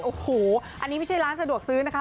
โอ้โหอันนี้ไม่ใช่ร้านสะดวกซื้อนะคะ